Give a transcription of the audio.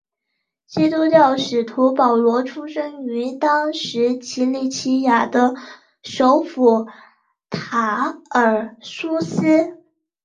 基督教使徒保罗出生于当时奇里乞亚的首府塔尔苏斯。